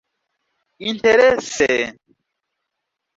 interese